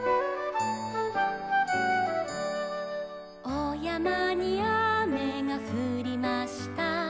「おやまにあめがふりました」